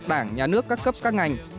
đảng nhà nước các cấp các ngành